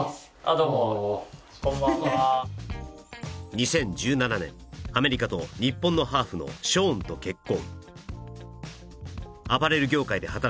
どうもこんばんは２０１７年アメリカと日本のハーフのショーンと結婚